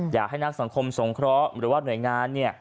อยากให้นักสังคมสงเคราะห์หรือว่าหน่วยงาน